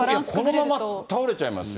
このまま倒れちゃいますよ。